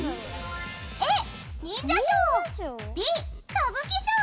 Ａ、忍者ショーＢ、歌舞伎ショー。